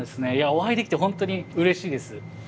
お会いできて本当にうれしいです。